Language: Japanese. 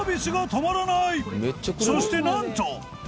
そしてなんと